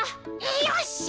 よし！